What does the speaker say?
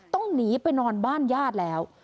ต้องหนีไปนอนบ้านญาติแล้ว